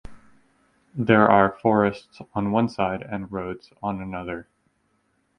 There are forests on one side and roads on another.